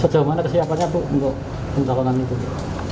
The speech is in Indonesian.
sejauh mana kesiapannya bu untuk penjahatannya